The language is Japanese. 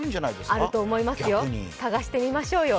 あると思いますよ、探してみましょうよ。